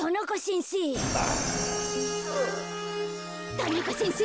田中先生